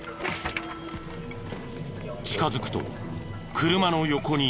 近づくと車の横にいる。